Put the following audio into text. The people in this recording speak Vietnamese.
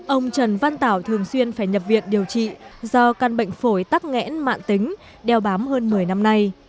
ông trần văn tảo thường xuyên phải nhập viện điều trị do căn bệnh phổi tắc nghẽn mạng tính đeo bám hơn một mươi năm nay